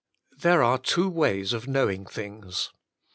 There are two ways of knowing things.